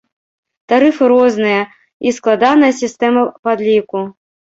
Тарыфы розныя, і складаная сістэма падліку.